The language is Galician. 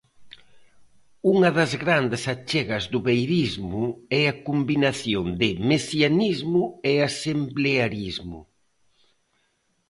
Unha das grandes achegas do beirismo é a combinación de mesianismo e asemblearismo.